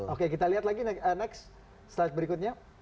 oke kita lihat lagi next slide berikutnya